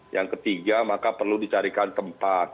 yang ketiga maka perlu dicarikan tempat